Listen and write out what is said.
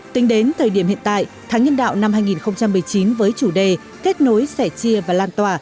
tính đến thời điểm hiện tại tháng nhân đạo năm hai nghìn một mươi chín với chủ đề kết nối sẻ chia và lan tỏa